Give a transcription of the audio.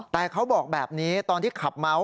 แต่เขาบอกแบบนี้ตอนที่ขับเมาส